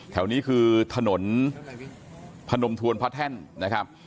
แถวนี้คือถนนพนมทวนพระแท่นนะครับ